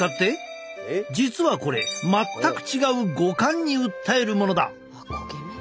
実はこれ全く違う五感に訴えるものだ。